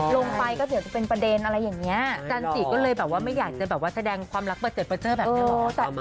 ลงไปก็เหลือจะเป็นประเด็นอะไรอย่างเงี้ยจันทรีย์ก็เลยแบบว่าไม่อยากจะแสดงความรักเป็นเจริญปัจเจ้าแบบนี้